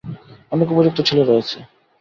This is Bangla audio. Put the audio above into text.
অনেক উপযুক্ত ছেলে রয়েছে।